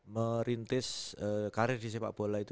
merintis karir di sepak bola itu